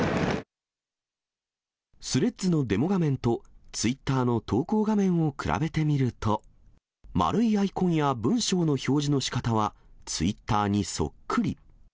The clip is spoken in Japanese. スレッズのデモ画面と、ツイッターの投稿画面を比べてみると、丸いアイコンや、文章の表示のしかたは、ツイッターにそっくり。